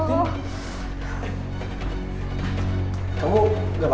kamu gak apa apa